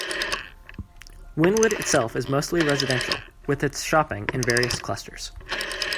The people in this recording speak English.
Wynnewood itself is mostly residential, with its shopping in various clusters.